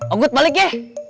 oggud balik ye